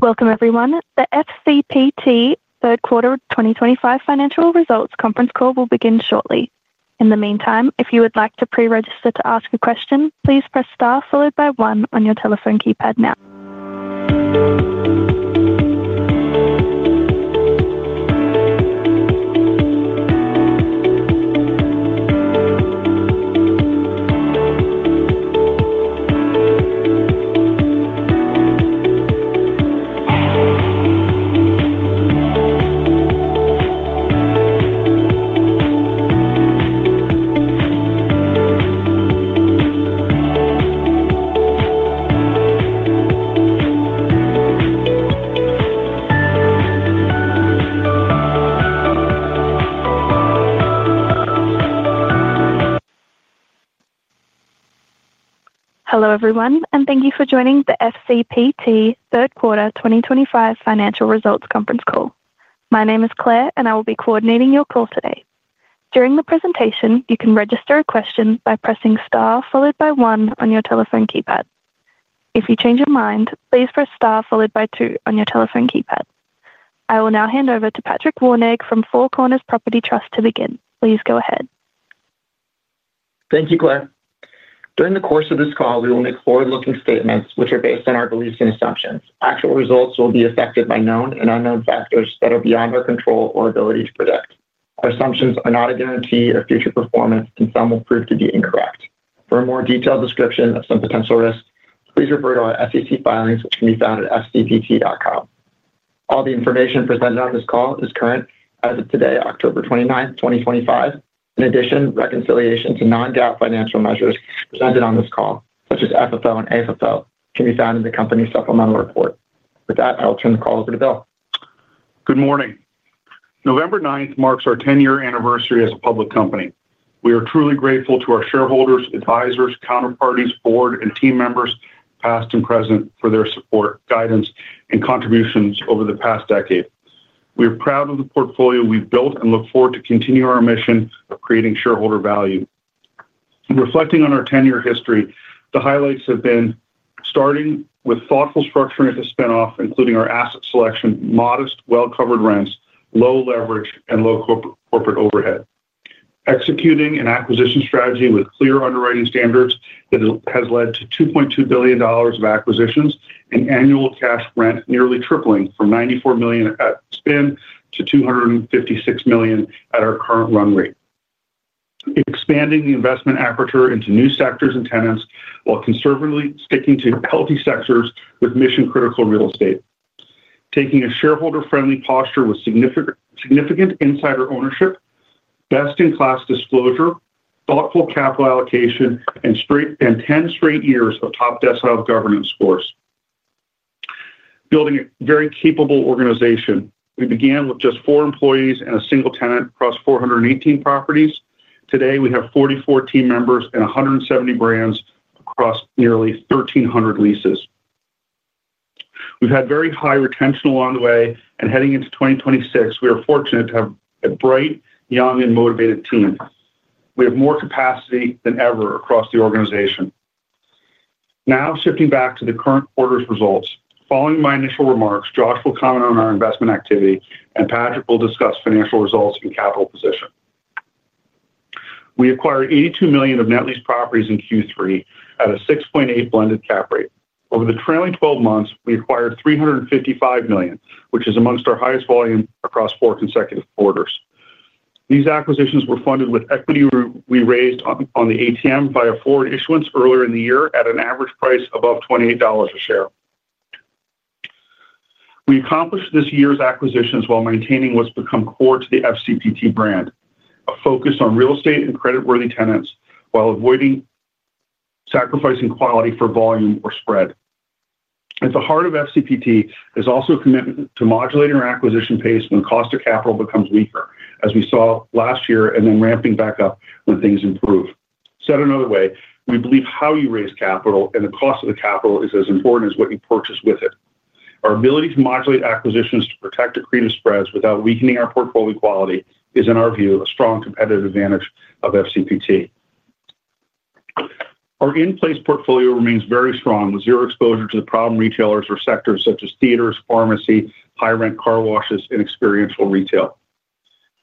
Welcome, everyone, to the FCPT Third Quarter 2025 Financial Results Conference Call. We'll begin shortly. In the meantime, if you would like to pre-register to ask a question, please press star followed by one on your telephone keypad now. Hello, everyone, and thank you for joining the FCPT Third Quarter 2025 Financial Results Conference Call. My name is Claire, and I will be coordinating your call today. During the presentation, you can register a question by pressing star followed by one on your telephone keypad. If you change your mind, please press star followed by two on your telephone keypad. I will now hand over to Patrick Wernig from Four Corners Property Trust to begin. Please go ahead. Thank you, Claire. During the course of this call, we will make forward-looking statements, which are based on our beliefs and assumptions. Actual results will be affected by known and unknown factors that are beyond our control or ability to predict. Our assumptions are not a guarantee of future performance, and some will prove to be incorrect. For a more detailed description of some potential risks, please refer to our SEC filings, which can be found at fcpt.com. All the information presented on this call is current as of today, October 29, 2025. In addition, reconciliation to non-GAAP financial measures presented on this call, such as FFO and AFO, can be found in the company supplemental report. With that, I will turn the call over to Bill. Good morning. November 9 marks our 10-year anniversary as a public company. We are truly grateful to our shareholders, advisors, counterparties, board, and team members, past and present, for their support, guidance, and contributions over the past decade. We are proud of the portfolio we've built and look forward to continuing our mission of creating shareholder value. Reflecting on our 10-year history, the highlights have been starting with thoughtful structuring at the spin-off, including our asset selection, modest, well-covered rents, low leverage, and low corporate overhead. Executing an acquisition strategy with clear underwriting standards has led to $2.2 billion of acquisitions and annual cash rent nearly tripling from $94 million at spin to $256 million at our current run rate. Expanding the investment aperture into new sectors and tenants while conservatively sticking to healthy sectors with mission-critical real estate. Taking a shareholder-friendly posture with significant insider ownership, best-in-class disclosure, thoughtful capital allocation, and 10 straight years of top desk health governance scores. Building a very capable organization, we began with just four employees and a single tenant across 418 properties. Today, we have 44 team members and 170 brands across nearly 1,300 leases. We've had very high retention along the way, and heading into 2026, we are fortunate to have a bright, young, and motivated team. We have more capacity than ever across the organization. Now, shifting back to the current quarter's results. Following my initial remarks, Josh will comment on our investment activity, and Patrick will discuss financial results and capital position. We acquired $82 million of net lease properties in Q3 at a 6.8% blended cap rate. Over the trailing 12 months, we acquired $355 million, which is amongst our highest volume across four consecutive quarters. These acquisitions were funded with equity we raised on the ATM via forward issuance earlier in the year at an average price above $28 a share. We accomplished this year's acquisitions while maintaining what's become core to the FCPT brand, a focus on real estate and creditworthy tenants while avoiding sacrificing quality for volume or spread. At the heart of FCPT is also a commitment to modulating our acquisition pace when the cost of capital becomes weaker, as we saw last year, and then ramping back up when things improve. Said another way, we believe how you raise capital and the cost of the capital is as important as what you purchase with it. Our ability to modulate acquisitions to protect accretive spreads without weakening our portfolio quality is, in our view, a strong competitive advantage of FCPT. Our in-place portfolio remains very strong with zero exposure to the problem retailers or sectors such as theaters, pharmacy, high-rent car washes, and experiential retail.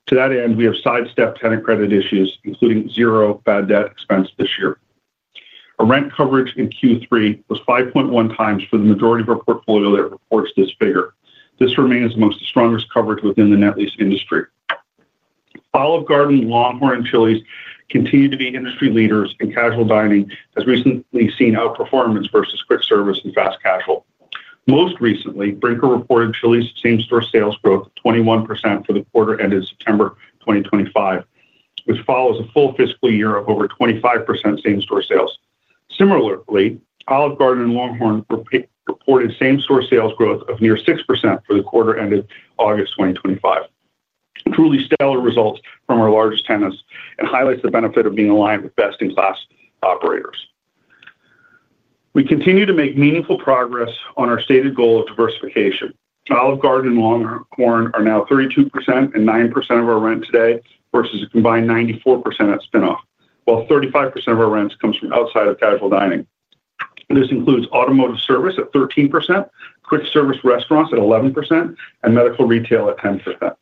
To that end, we have sidestepped tenant credit issues, including zero bad debt expense this year. Our rent coverage in Q3 was 5.1 times for the majority of our portfolio that reports this figure. This remains the strongest coverage within the net lease industry. Olive Garden, LongHorn Steakhouse, and Chili's continue to be industry leaders in casual dining, as recently seen outperformance versus quick service and fast casual. Most recently, Brinker reported Chili's same-store sales growth, 21% for the quarter ended September 2025, which follows a full fiscal year of over 25% same-store sales. Similarly, Olive Garden and LongHorn Steakhouse reported same-store sales growth of near 6% for the quarter ended August 2025. Truly stellar results from our largest tenants and highlights the benefit of being aligned with best-in-class operators. We continue to make meaningful progress on our stated goal of diversification. Olive Garden and LongHorn Steakhouse are now 32% and 9% of our rent today versus a combined 94% at spin-off, while 35% of our rents come from outside of casual dining. This includes automotive service at 13%, quick service restaurants at 11%, and medical retail at 10%.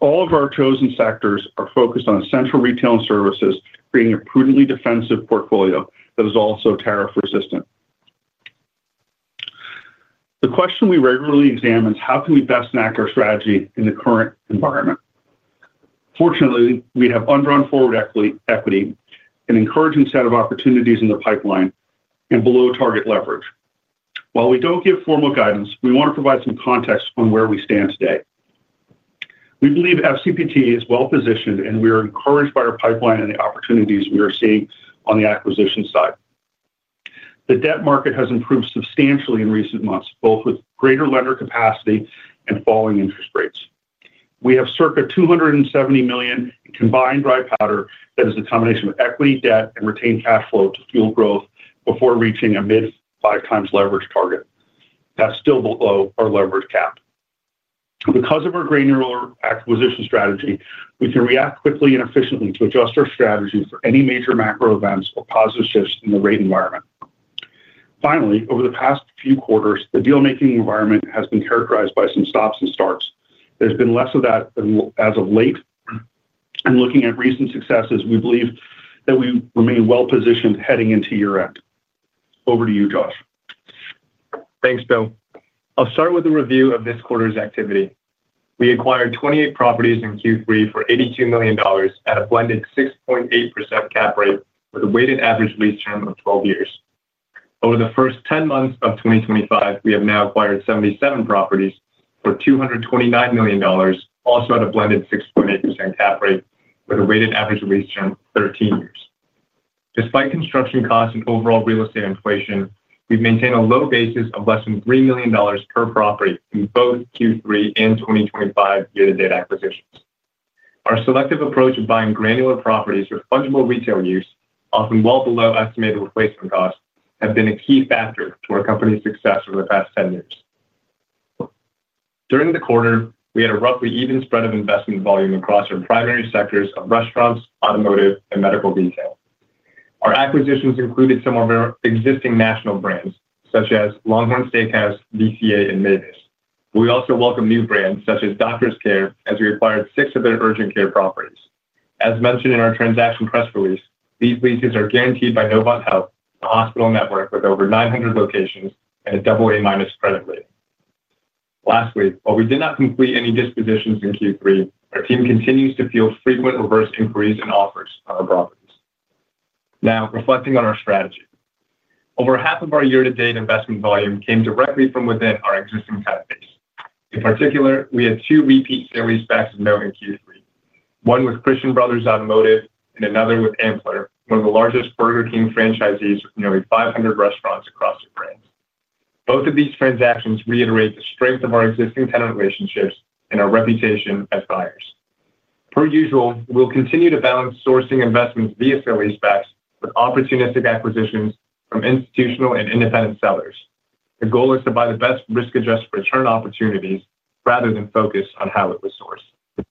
All of our chosen sectors are focused on essential retail and services, creating a prudently defensive portfolio that is also tariff-resistant. The question we regularly examine is how can we best enact our strategy in the current environment? Fortunately, we have undrawn forward equity, an encouraging set of opportunities in the pipeline, and below-target leverage. While we don't give formal guidance, we want to provide some context on where we stand today. We believe FCPT is well-positioned, and we are encouraged by our pipeline and the opportunities we are seeing on the acquisition side. The debt market has improved substantially in recent months, both with greater lender capacity and falling interest rates. We have circa $270 million in combined dry powder that is a combination of equity, debt, and retained cash flow to fuel growth before reaching a mid-five times leverage target. That's still below our leverage cap. Because of our granular acquisition strategy, we can react quickly and efficiently to adjust our strategy for any major macro events or positive shifts in the rate environment. Finally, over the past few quarters, the deal-making environment has been characterized by some stops and starts. There's been less of that as of late, and looking at recent successes, we believe that we remain well-positioned heading into year-end. Over to you, Josh. Thanks, Bill. I'll start with a review of this quarter's activity. We acquired 28 properties in Q3 for $82 million at a blended 6.8% cap rate with a weighted average lease term of 12 years. Over the first 10 months of 2025, we have now acquired 77 properties for $229 million, also at a blended 6.8% cap rate with a weighted average lease term of 13 years. Despite construction costs and overall real estate inflation, we've maintained a low basis of less than $3 million per property in both Q3 and 2025 year-to-date acquisitions. Our selective approach of buying granular properties with fungible retail use, often well below estimated replacement costs, has been a key factor to our company's success over the past 10 years. During the quarter, we had a roughly even spread of investment volume across our primary sectors of restaurants, automotive, and medical retail. Our acquisitions included some of our existing national brands, such as LongHorn Steakhouse, VCA, and Mavis. We also welcomed new brands such as Doctors Care, as we acquired six of their urgent care properties. As mentioned in our transaction press release, these leases are guaranteed by Novant Health, a hospital network with over 900 locations and a AA- credit rating. Lastly, while we did not complete any dispositions in Q3, our team continues to field frequent reverse inquiries and offers on our properties. Now, reflecting on our strategy, over half of our year-to-date investment volume came directly from within our existing cut base. In particular, we had two repeat sales specs of note in Q3. One was Christian Brothers Automotive and another with Ampler, one of the largest Burger King franchisees with nearly 500 restaurants across the brands. Both of these transactions reiterate the strength of our existing tenant relationships and our reputation as buyers. Per usual, we'll continue to balance sourcing investments via sales specs with opportunistic acquisitions from institutional and independent sellers. The goal is to buy the best risk-adjusted return opportunities rather than focus on how it was sourced.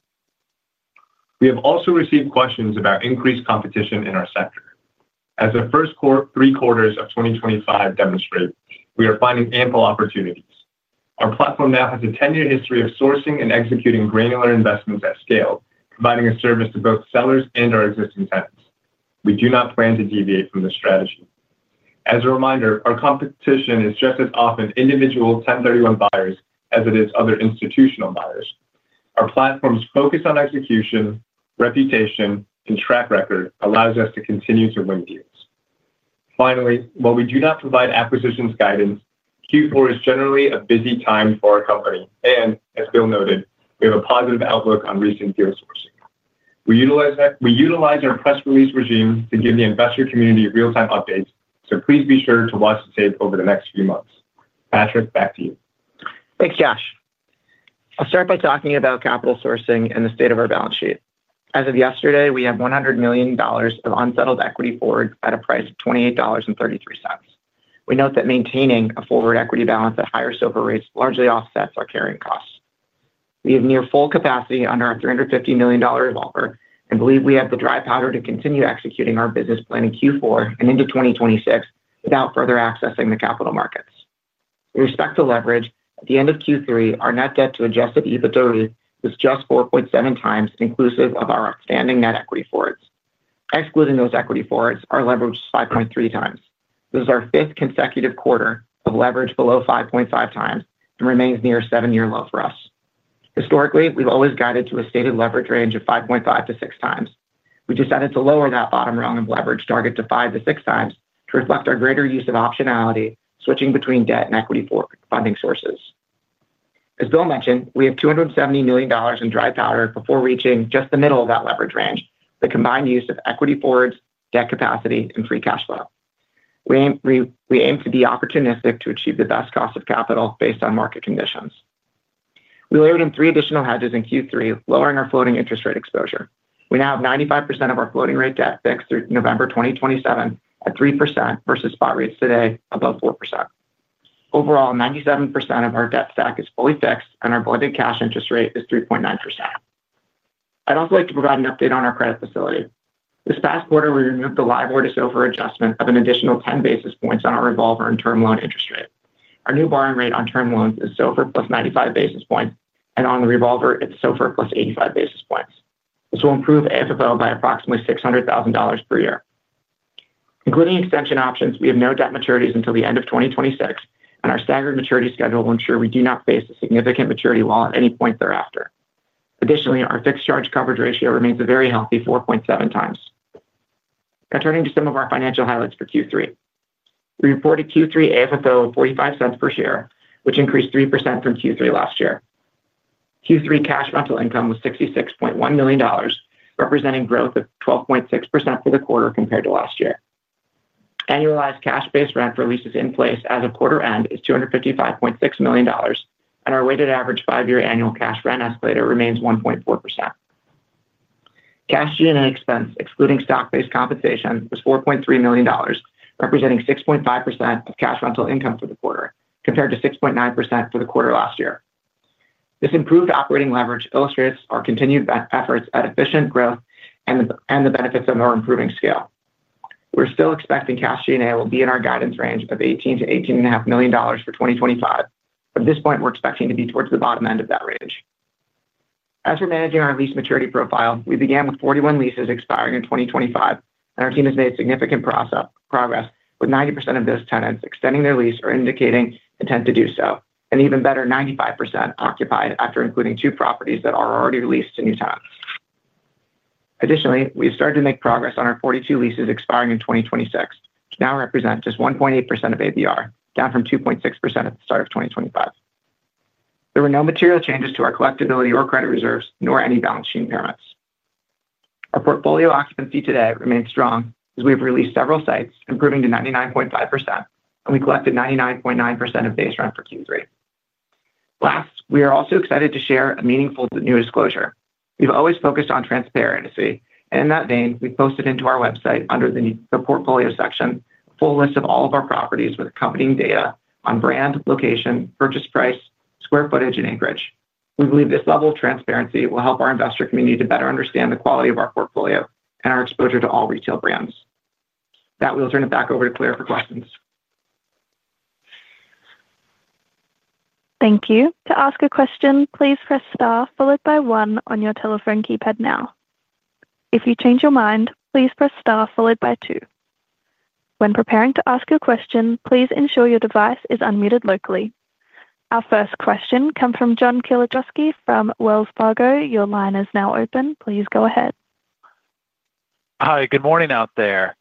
We have also received questions about increased competition in our sector. As the first three quarters of 2025 demonstrate, we are finding ample opportunities. Our platform now has a 10-year history of sourcing and executing granular investments at scale, providing a service to both sellers and our existing tenants. We do not plan to deviate from this strategy. As a reminder, our competition is just as often individual 1031 buyers as it is other institutional buyers. Our platform's focus on execution, reputation, and track record allows us to continue to win deals. Finally, while we do not provide acquisitions guidance, Q4 is generally a busy time for our company, and as Bill noted, we have a positive outlook on recent deal sourcing. We utilize our press release regime to give the investor community real-time updates, so please be sure to watch the tape over the next few months. Patrick, back to you. Thanks, Josh. I'll start by talking about capital sourcing and the state of our balance sheet. As of yesterday, we have $100 million of unsettled equity forward at a price of $28.33. We note that maintaining a forward equity balance at higher SOFR rates largely offsets our carrying costs. We have near full capacity under our $350 million revolver and believe we have the dry powder to continue executing our business plan in Q4 and into 2026 without further accessing the capital markets. We respect the leverage. At the end of Q3, our net debt to Adjusted EBITDA was just 4.7 times, inclusive of our outstanding net equity forwards. Excluding those equity forwards, our leverage is 5.3 times. This is our fifth consecutive quarter of leverage below 5.5 times and remains near a seven-year low for us. Historically, we've always guided to a stated leverage range of 5.5-6 times. We decided to lower that bottom rung of leverage target to 5-6 times to reflect our greater use of optionality, switching between debt and equity funding sources. As Bill mentioned, we have $270 million in dry powder before reaching just the middle of that leverage range, the combined use of equity forwards, debt capacity, and free cash flow. We aim to be opportunistic to achieve the best cost of capital based on market conditions. We layered in three additional hedges in Q3, lowering our floating interest rate exposure. We now have 95% of our floating rate debt fixed through November 2027 at 3% versus spot rates today above 4%. Overall, 97% of our debt stack is fully fixed, and our blended cash interest rate is 3.9%. I'd also like to provide an update on our credit facility. This past quarter, we removed the live or SOFR adjustment of an additional 10 basis points on our revolver and term loan interest rate. Our new borrowing rate on term loans is SOFR plus 95 basis points, and on the revolver, it's SOFR plus 85 basis points. This will improve AFO by approximately $600,000 per year. Including extension options, we have no debt maturities until the end of 2026, and our staggered maturity schedule will ensure we do not face a significant maturity wall at any point thereafter. Additionally, our fixed charge coverage ratio remains a very healthy 4.7 times. Now turning to some of our financial highlights for Q3. We reported Q3 AFO of $0.45 per share, which increased 3% from Q3 last year. Q3 cash rental income was $66.1 million, representing growth of 12.6% for the quarter compared to last year. Annualized cash-based rent for leases in place as of quarter end is $255.6 million, and our weighted average five-year annual cash rent escalator remains 1.4%. Cash gain and expense, excluding stock-based compensation, was $4.3 million, representing 6.5% of cash rental income for the quarter compared to 6.9% for the quarter last year. This improved operating leverage illustrates our continued efforts at efficient growth and the benefits of our improving scale. We're still expecting cash gain will be in our guidance range of $18-$18.5 million for 2025. At this point, we're expecting to be towards the bottom end of that range. As we're managing our lease maturity profile, we began with 41 leases expiring in 2025, and our team has made significant progress with 90% of those tenants extending their lease or indicating intent to do so, and even better, 95% occupied after including two properties that are already released to new tenants. Additionally, we have started to make progress on our 42 leases expiring in 2026, which now represent just 1.8% of AVR, down from 2.6% at the start of 2025. There were no material changes to our collectability or credit reserves, nor any balance sheet impairments. Our portfolio occupancy today remains strong as we have released several sites, improving to 99.5%, and we collected 99.9% of base rent for Q3. Last, we are also excited to share a meaningful new disclosure. We've always focused on transparency, and in that vein, we posted into our website under the portfolio section a full list of all of our properties with accompanying data on brand, location, purchase price, square footage, and acreage. We believe this level of transparency will help our investor community to better understand the quality of our portfolio and our exposure to all retail brands. That will turn it back over to Claire for questions. Thank you. To ask a question, please press star followed by one on your telephone keypad now. If you change your mind, please press star followed by two. When preparing to ask your question, please ensure your device is unmuted locally. Our first question comes from John Kilichowski from Wells Fargo. Your line is now open. Please go ahead. Hi, good morning out there.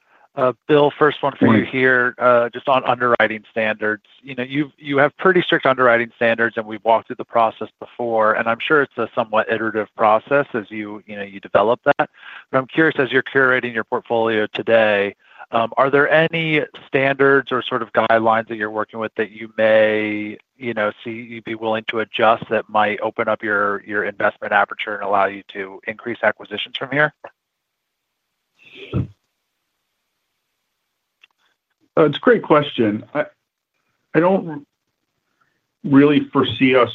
Bill, first one for you here, just on underwriting standards. You have pretty strict underwriting standards, and we've walked through the process before. I'm sure it's a somewhat iterative process as you develop that. I'm curious, as you're curating your portfolio today, are there any standards or sort of guidelines that you're working with that you may see you'd be willing to adjust that might open up your investment aperture and allow you to increase acquisitions from here? It's a great question. I don't really foresee us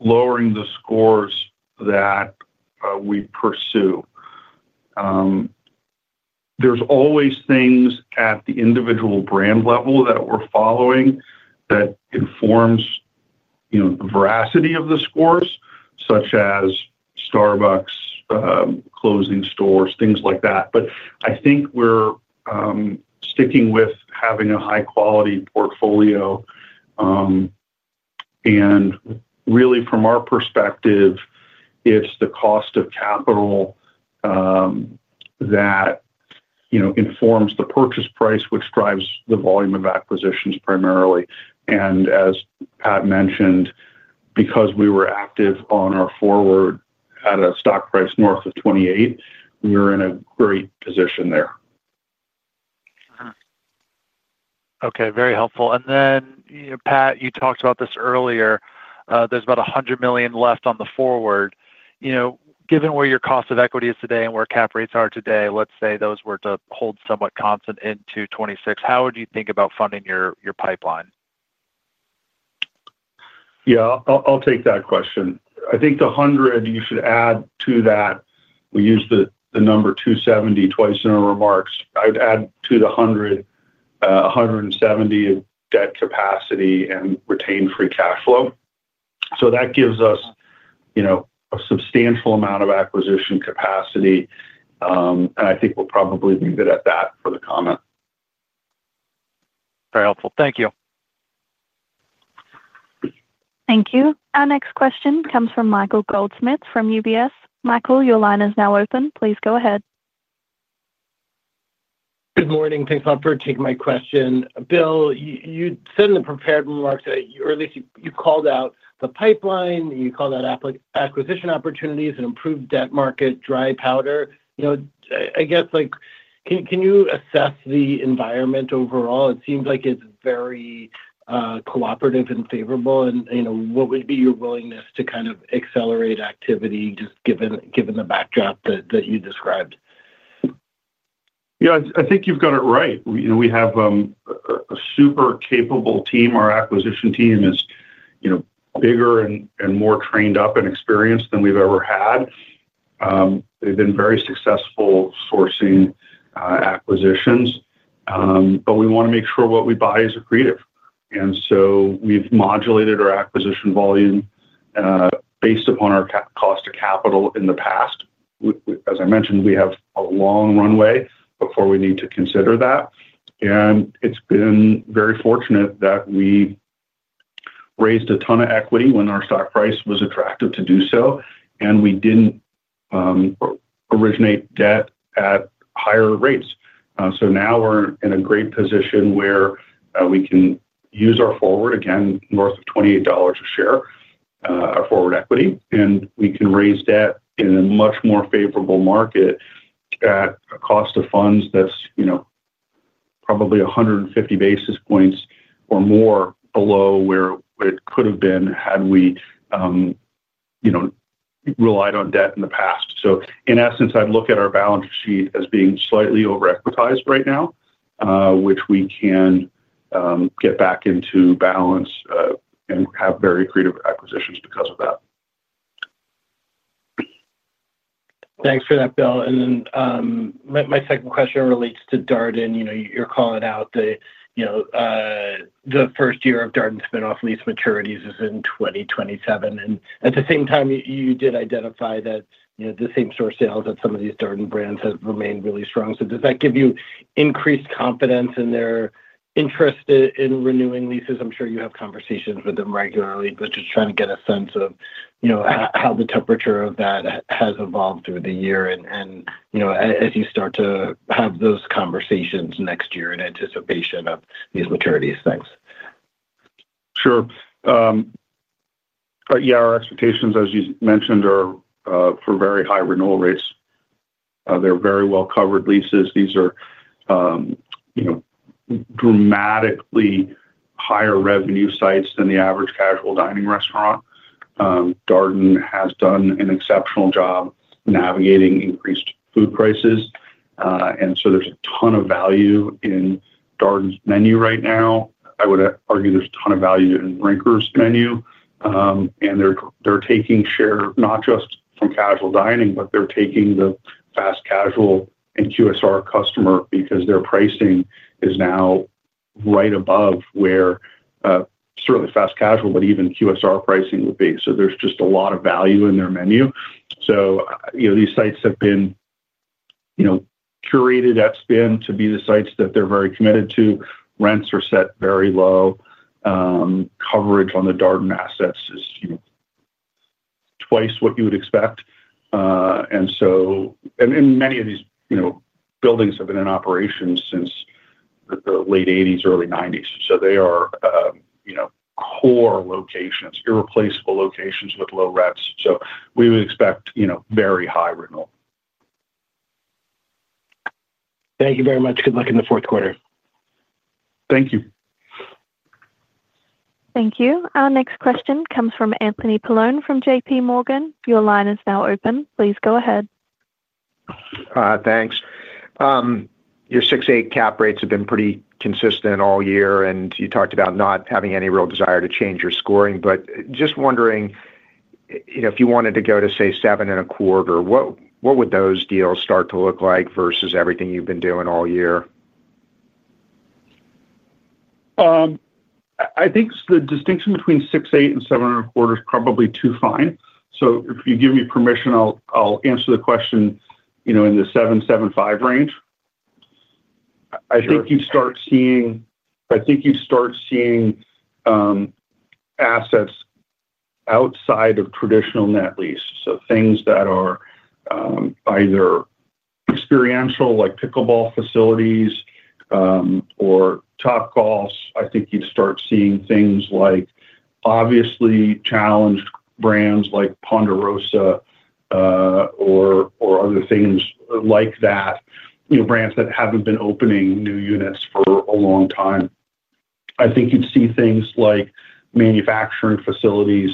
lowering the scores that we pursue. There are always things at the individual brand level that we're following that inform the veracity of the scores, such as Starbucks closing stores, things like that. I think we're sticking with having a high-quality portfolio. Really, from our perspective, it's the cost of capital that informs the purchase price, which drives the volume of acquisitions primarily. As Pat mentioned, because we were active on our forward at a stock price north of $28, we were in a great position there. Okay, very helpful. Pat, you talked about this earlier. There's about $100 million left on the forward. Given where your cost of equity is today and where cap rates are today, let's say those were to hold somewhat constant into 2026, how would you think about funding your pipeline? Yeah, I'll take that question. I think the 100, you should add to that. We use the number 270 twice in our remarks. I would add to the 100, 170 of debt capacity and retained free cash flow. That gives us, you know, a substantial amount of acquisition capacity. I think we'll probably be good at that for the comment. Very helpful. Thank you. Thank you. Our next question comes from Michael Goldsmith from UBS. Michael, your line is now open. Please go ahead. Good morning. Thanks a lot for taking my question. Bill, you said in the prepared remarks that you, or at least you called out the pipeline. You called out acquisition opportunities and improved debt market dry powder. I guess, can you assess the environment overall? It seems like it's very cooperative and favorable. What would be your willingness to kind of accelerate activity, just given the backdrop that you described? Yeah, I think you've got it right. We have a super capable team. Our acquisition team is bigger and more trained up and experienced than we've ever had. They've been very successful sourcing acquisitions. We want to make sure what we buy is accretive. We've modulated our acquisition volume based upon our cost of capital in the past. As I mentioned, we have a long runway before we need to consider that. It's been very fortunate that we raised a ton of equity when our stock price was attractive to do so. We didn't originate debt at higher rates. Now we're in a great position where we can use our forward, again, north of $28 a share, our forward equity, and we can raise debt in a much more favorable market at a cost of funds that's probably 150 basis points or more below where it could have been had we relied on debt in the past. In essence, I'd look at our balance sheet as being slightly overequitized right now, which we can get back into balance and have very accretive acquisitions because of that. Thanks for that, Bill. My second question relates to Darden. You're calling out the first year of Darden spin-off lease maturities is in 2027. At the same time, you did identify that the same-store sales at some of these Darden brands have remained really strong. Does that give you increased confidence in their interest in renewing leases? I'm sure you have conversations with them regularly, just trying to get a sense of how the temperature of that has evolved through the year as you start to have those conversations next year in anticipation of these maturities. Sure. Yeah, our expectations, as you mentioned, are for very high renewal rates. They're very well-covered leases. These are dramatically higher revenue sites than the average casual dining restaurant. Darden has done an exceptional job navigating increased food prices, and there's a ton of value in Darden's menu right now. I would argue there's a ton of value in Brinker menu, and they're taking share not just from casual dining, but they're taking the fast casual and QSR customer because their pricing is now right above where, certainly, fast casual, but even QSR pricing would be. There's just a lot of value in their menu. These sites have been curated at spin to be the sites that they're very committed to. Rents are set very low. Coverage on the Darden assets is twice what you would expect, and many of these buildings have been in operation since the late 1980s, early 1990s. They are core locations, irreplaceable locations with low reps. We would expect very high renewal. Thank you very much. Good luck in the fourth quarter. Thank you. Thank you. Our next question comes from Anthony Paolone from JPMorgan. Your line is now open. Please go ahead. Thanks. Your 6-8% cap rates have been pretty consistent all year, and you talked about not having any real desire to change your scoring, but just wondering, you know, if you wanted to go to, say, 7.25%, what would those deals start to look like versus everything you've been doing all year? I think the distinction between 6-8 and 7 and a quarter is probably too fine. If you give me permission, I'll answer the question in the 7-7.5 range. I think you'd start seeing assets outside of traditional net lease, things that are either experiential, like pickleball facilities or Topgolf. I think you'd start seeing things like obviously challenged brands like Ponderosa or other things like that, brands that haven't been opening new units for a long time. I think you'd see things like manufacturing facilities.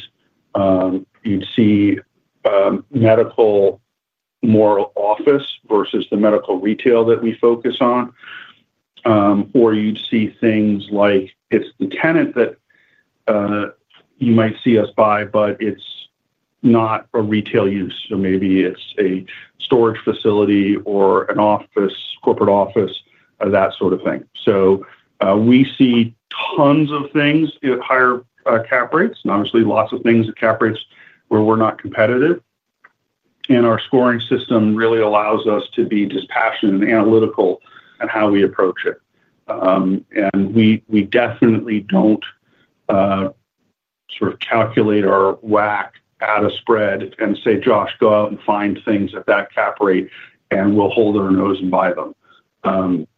You'd see medical, more office versus the medical retail that we focus on. You'd see things like it's the tenant that you might see us buy, but it's not a retail use, maybe it's a storage facility or a corporate office, that sort of thing. We see tons of things at higher cap rates, and obviously lots of things at cap rates where we're not competitive. Our scoring system really allows us to be dispassionate and analytical in how we approach it. We definitely don't sort of calculate our WAC at a spread and say, "Josh, go out and find things at that cap rate, and we'll hold our nose and buy them."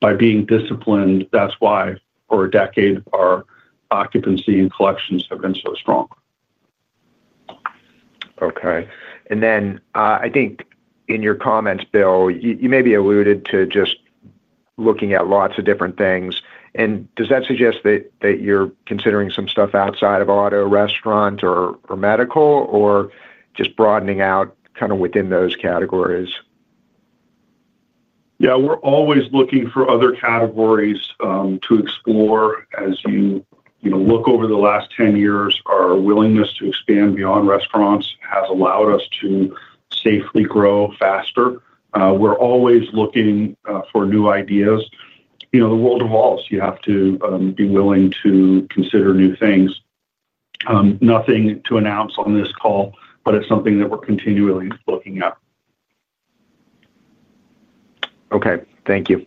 By being disciplined, that's why for a decade, our occupancy and collections have been so strong. Okay. I think in your comments, Bill, you may have alluded to just looking at lots of different things. Does that suggest that you're considering some stuff outside of auto, restaurant, or medical, or just broadening out kind of within those categories? Yeah, we're always looking for other categories to explore. As you look over the last 10 years, our willingness to expand beyond restaurants has allowed us to safely grow faster. We're always looking for new ideas. The world evolves. You have to be willing to consider new things. Nothing to announce on this call, but it's something that we're continually looking at. Okay, thank you.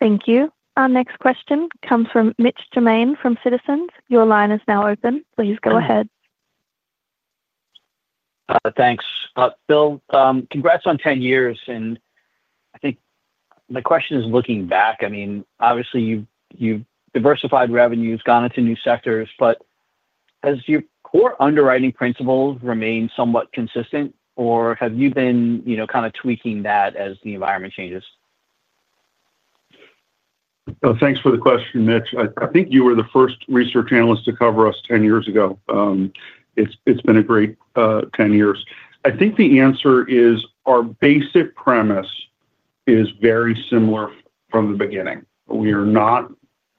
Thank you. Our next question comes from Mitch Germain from Citizens. Your line is now open. Please go ahead. Thanks. Bill, congrats on 10 years. I think my question is looking back. I mean, obviously, you've diversified revenues, gone into new sectors, but has your core underwriting principles remained somewhat consistent, or have you been kind of tweaking that as the environment changes? Thanks for the question, Mitch. I think you were the first research analyst to cover us 10 years ago. It's been a great 10 years. I think the answer is our basic premise is very similar from the beginning. We are not,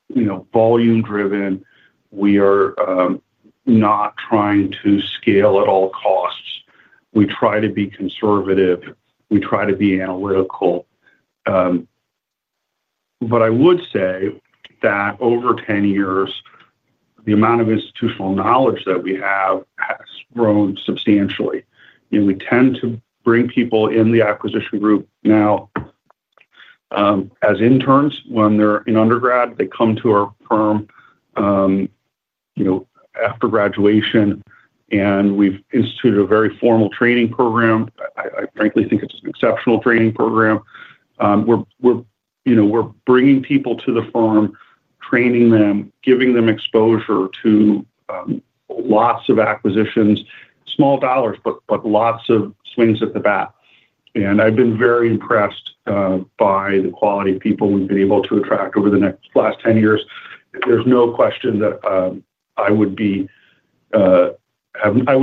you know, volume-driven. We are not trying to scale at all costs. We try to be conservative. We try to be analytical. I would say that over 10 years, the amount of institutional knowledge that we have has grown substantially. We tend to bring people in the acquisition group now as interns. When they're in undergrad, they come to our firm after graduation. We've instituted a very formal training program. I frankly think it's an exceptional training program. We're bringing people to the firm, training them, giving them exposure to lots of acquisitions, small dollars, but lots of swings at the bat. I've been very impressed by the quality of people we've been able to attract over the last 10 years. There's no question that I would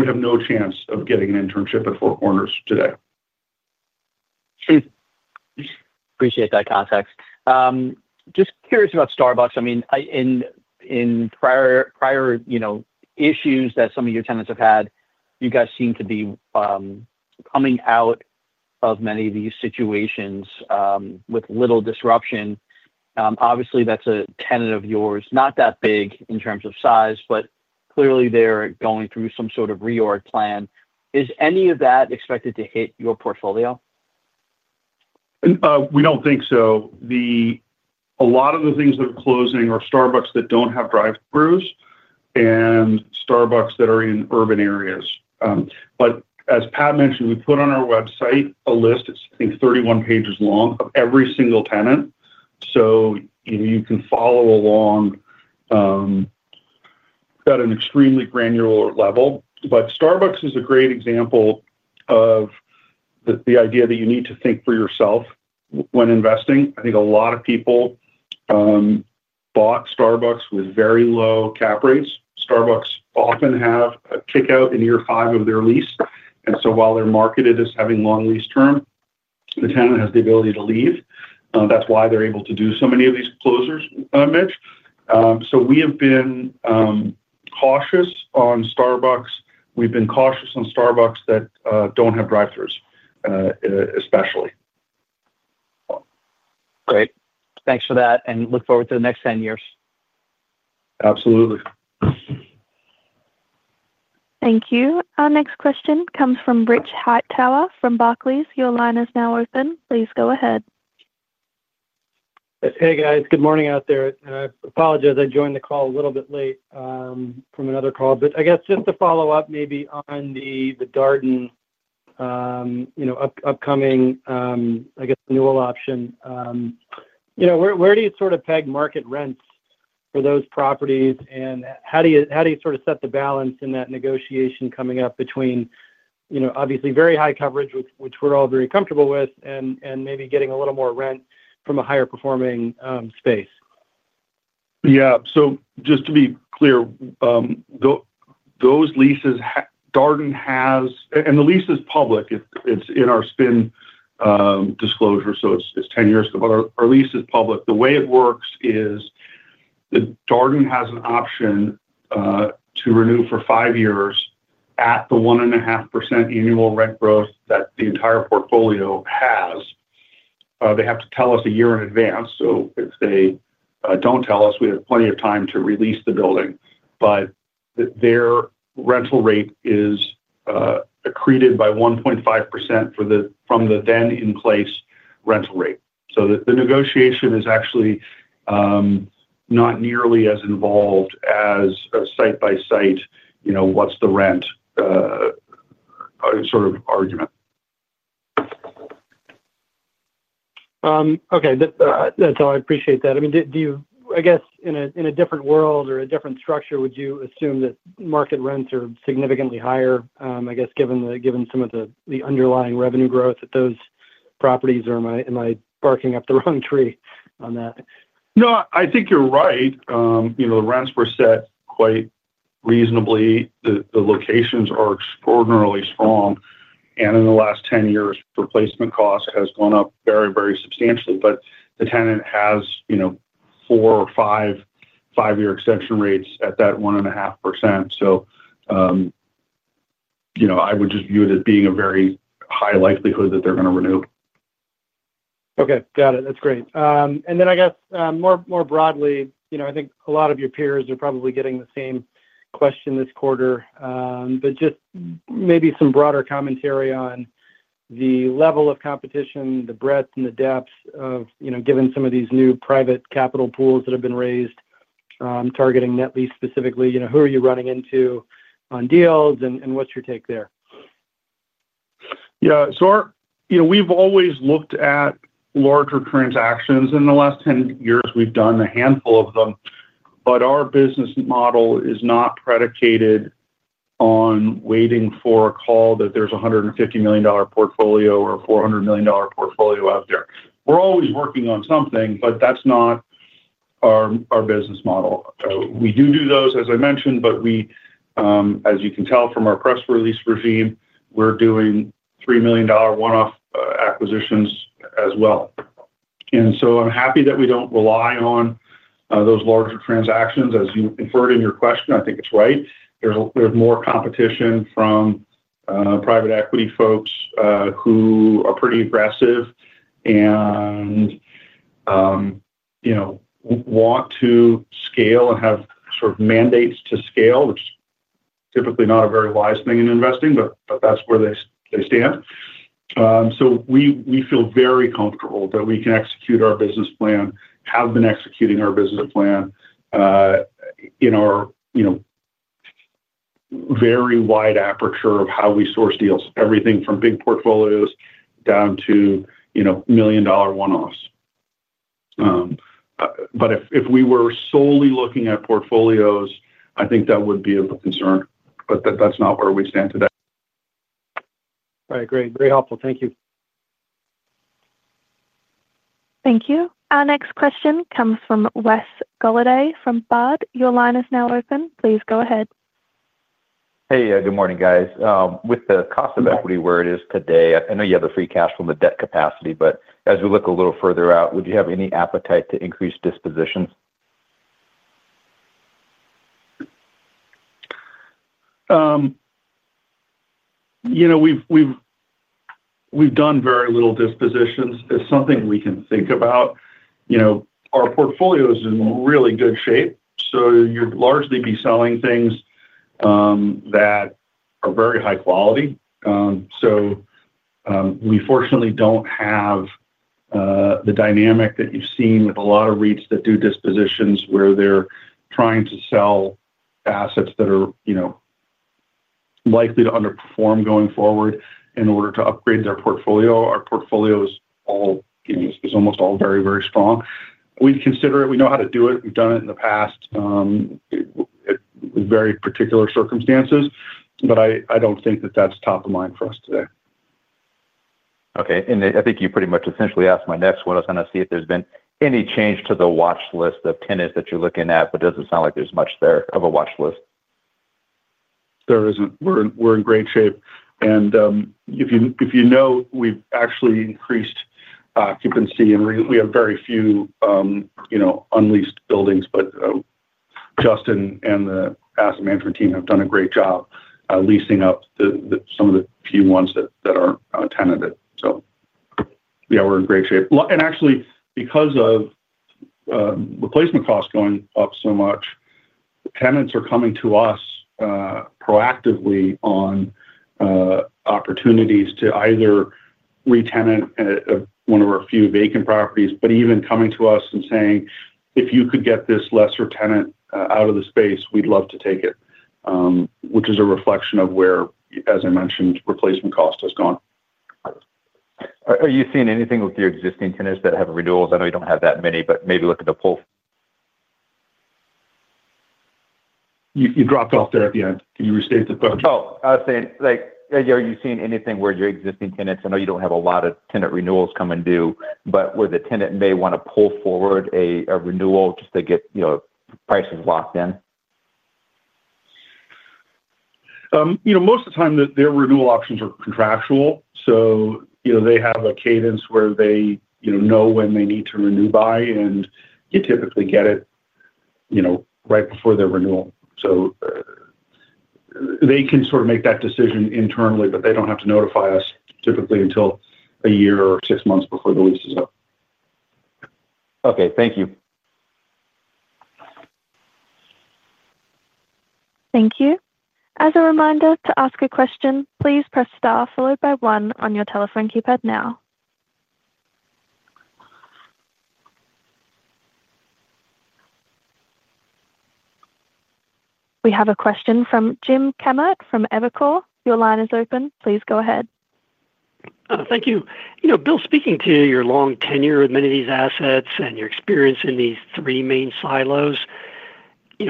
have no chance of getting an internship at Four Corners Property Trust today. Appreciate that context. Just curious about Starbucks. In prior issues that some of your tenants have had, you guys seem to be coming out of many of these situations with little disruption. Obviously, that's a tenant of yours, not that big in terms of size, but clearly they're going through some sort of reorg plan. Is any of that expected to hit your portfolio? We don't think so. A lot of the things that are closing are Starbucks that don't have drive-throughs and Starbucks that are in urban areas. As Pat mentioned, we put on our website a list. It's, I think, 31 pages long of every single tenant. You can follow along at an extremely granular level. Starbucks is a great example of the idea that you need to think for yourself when investing. I think a lot of people bought Starbucks with very low cap rates. Starbucks often have a kickout in year five of their lease, and while they're marketed as having long lease terms, the tenant has the ability to leave. That's why they're able to do so many of these closures, Mitch. We have been cautious on Starbucks. We've been cautious on Starbucks that don't have drive-throughs, especially. Great. Thanks for that. I look forward to the next 10 years. Absolutely. Thank you. Our next question comes from Rich Hightower from Barclays. Your line is now open. Please go ahead. Hey, guys. Good morning out there. I apologize, I joined the call a little bit late from another call. I guess just to follow up maybe on the Darden upcoming, I guess, renewal option. Where do you sort of peg market rents for those properties? How do you sort of set the balance in that negotiation coming up between obviously very high coverage, which we're all very comfortable with, and maybe getting a little more rent from a higher-performing space? Yeah. Just to be clear, those leases, Darden has, and the lease is public. It's in our spin disclosure. It's 10 years ago, but our lease is public. The way it works is Darden has an option to renew for five years at the 1.5% annual rent growth that the entire portfolio has. They have to tell us a year in advance. If they don't tell us, we have plenty of time to release the building. Their rental rate is accreted by 1.5% from the then-in-place rental rate. The negotiation is actually not nearly as involved as a site-by-site, you know, what's the rent sort of argument. Okay. That's all. I appreciate that. I mean, do you, I guess, in a different world or a different structure, would you assume that market rents are significantly higher, I guess, given some of the underlying revenue growth at those properties? Or am I barking up the wrong tree on that? No, I think you're right. The rents were set quite reasonably. The locations are extraordinarily strong. In the last 10 years, replacement cost has gone up very, very substantially. The tenant has four or five-year extension rates at that 1.5%. I would just view it as being a very high likelihood that they're going to renew. Okay. Got it. That's great. I guess more broadly, I think a lot of your peers are probably getting the same question this quarter, just maybe some broader commentary on the level of competition, the breadth, and the depths of, you know, given some of these new private capital pools that have been raised, targeting net lease specifically, who are you running into on deals and what's your take there? Yeah. Our, you know, we've always looked at larger transactions in the last 10 years. We've done a handful of them. Our business model is not predicated on waiting for a call that there's a $150 million portfolio or a $400 million portfolio out there. We're always working on something, but that's not our business model. We do do those, as I mentioned, but we, as you can tell from our press release regime, we're doing $3 million one-off acquisitions as well. I'm happy that we don't rely on those larger transactions. As you inferred in your question, I think it's right. There's more competition from private equity folks who are pretty aggressive and want to scale and have sort of mandates to scale, which is typically not a very wise thing in investing, but that's where they stand. We feel very comfortable that we can execute our business plan, have been executing our business plan in our very wide aperture of how we source deals, everything from big portfolios down to, you know, million-dollar one-offs. If we were solely looking at portfolios, I think that would be of a concern. That's not where we stand today. All right. Great. Very helpful. Thank you. Thank you. Our next question comes from Wes Golladay from Baird. Your line is now open. Please go ahead. Hey, good morning, guys. With the cost of equity where it is today, I know you have the free cash from the debt capacity, but as we look a little further out, would you have any appetite to increase dispositions? We've done very little dispositions. It's something we can think about. Our portfolio is in really good shape, so you'd largely be selling things that are very high quality. We fortunately don't have the dynamic that you've seen with a lot of REITs that do dispositions where they're trying to sell assets that are likely to underperform going forward in order to upgrade their portfolio. Our portfolio is almost all very, very strong. We'd consider it. We know how to do it. We've done it in the past in very particular circumstances. I don't think that that's top of mind for us today. Okay. I think you pretty much essentially asked my next one. I was going to see if there's been any change to the watchlist of tenants that you're looking at, but it doesn't sound like there's much there of a watchlist. There isn't. We're in great shape. We've actually increased occupancy, and we have very few unleased buildings. Justin and the asset management team have done a great job leasing up some of the few ones that aren't tenanted. We're in great shape. Actually, because of replacement costs going up so much, tenants are coming to us proactively on opportunities to either re-tenant one of our few vacant properties, even coming to us and saying, "If you could get this lesser tenant out of the space, we'd love to take it," which is a reflection of where, as I mentioned, replacement cost has gone. Are you seeing anything with your existing tenants that have renewals? I know you don't have that many, but maybe look at the pool. You dropped off there at the end. Can you restate the question? Are you seeing anything where your existing tenants, I know you don't have a lot of tenant renewals coming due, but where the tenant may want to pull forward a renewal just to get prices locked in? Most of the time, their renewal options are contractual. They have a cadence where they know when they need to renew by, and you typically get it right before their renewal. They can sort of make that decision internally, but they don't have to notify us typically until a year or six months before the lease is up. Okay, thank you. Thank you. As a reminder, to ask a question, please press star followed by one on your telephone keypad now. We have a question from James Kammert from Evercore. Your line is open. Please go ahead. Thank you. You know, Bill, speaking to your long tenure with many of these assets and your experience in these three main silos,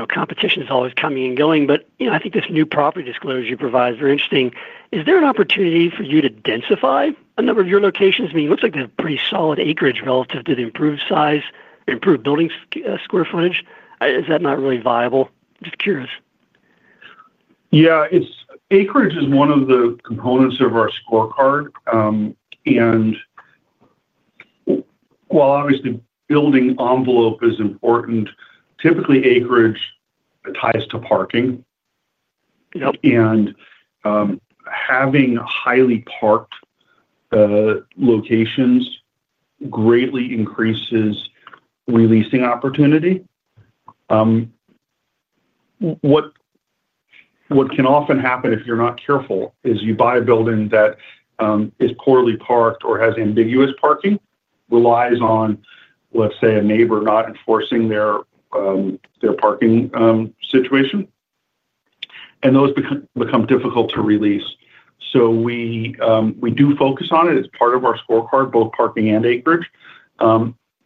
competition is always coming and going. I think this new property disclosure you provide is very interesting. Is there an opportunity for you to densify a number of your locations? I mean, it looks like they have pretty solid acreage relative to the improved size, improved building square footage. Is that not really viable? I'm just curious. Yeah, acreage is one of the components of our scorecard. While obviously building envelope is important, typically acreage ties to parking, and having highly parked locations greatly increases releasing opportunity. What can often happen if you're not careful is you buy a building that is poorly parked or has ambiguous parking, relies on, let's say, a neighbor not enforcing their parking situation, and those become difficult to release. We do focus on it. It's part of our scorecard, both parking and acreage.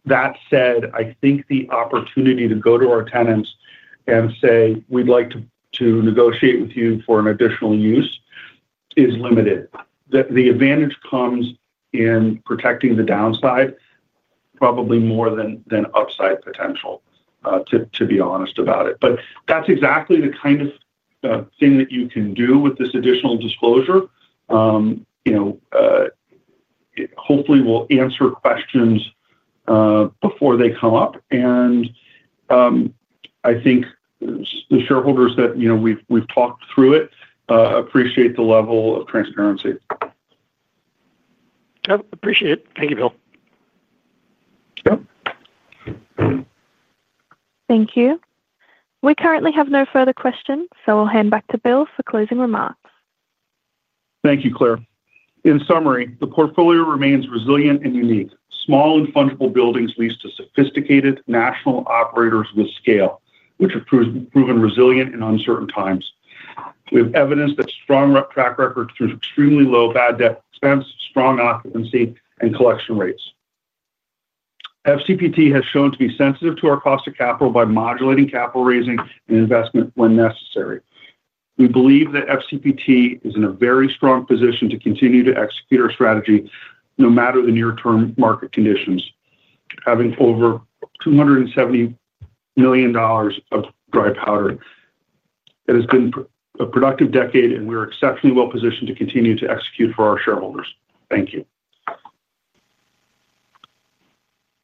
That said, I think the opportunity to go to our tenants and say, "We'd like to negotiate with you for an additional use," is limited. The advantage comes in protecting the downside probably more than upside potential, to be honest about it. That's exactly the kind of thing that you can do with this additional disclosure. Hopefully, we'll answer questions before they come up. I think the shareholders that we've talked through it appreciate the level of transparency. Appreciate it. Thank you, Bill. Thank you. We currently have no further questions, so I'll hand back to Bill for closing remarks. Thank you, Claire. In summary, the portfolio remains resilient and unique. Small and fungible buildings lease to sophisticated national operators with scale, which have proven resilient in uncertain times. We have evidence that strong track records through extremely low bad debt expense, strong occupancy, and collection rates. FCPT has shown to be sensitive to our cost of capital by modulating capital raising and investment when necessary. We believe that FCPT is in a very strong position to continue to execute our strategy no matter the near-term market conditions. Having over $270 million of dry powder, it has been a productive decade, and we are exceptionally well positioned to continue to execute for our shareholders. Thank you.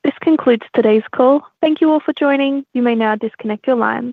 This concludes today's call. Thank you all for joining. You may now disconnect your line.